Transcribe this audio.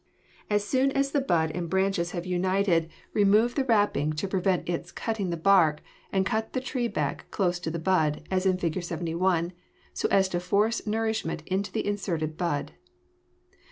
As soon as the bud and branches have united, remove the wrapping to prevent its cutting the bark and cut the tree back close to the bud, as in Fig. 71, so as to force nourishment into the inserted bud.